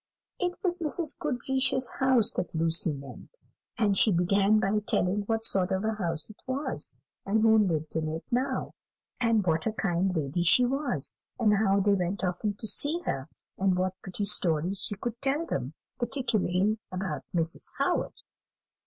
It was Mrs. Goodriche's house that Lucy meant: and she began by telling what sort of a house it was; and who lived in it now; and what a kind lady she was; and how they went often to see her; and what pretty stories she could tell them, particularly about Mrs. Howard.